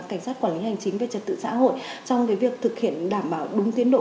cảnh sát quản lý hành chính về trật tự xã hội trong việc thực hiện đảm bảo đúng tiến độ